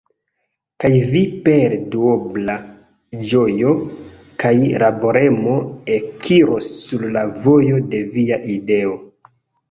Kaj Vi per duobla ĝojo kaj laboremo ekiros sur la vojo de Via ideo!"